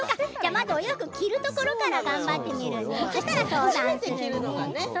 まずお洋服着るところから頑張ってみるね。